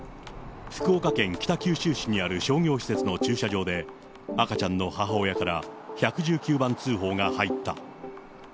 福岡県北九州市にある商業施設の駐車場で、赤ちゃんの母親から、１１９番通報が入った。